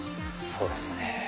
そうですね。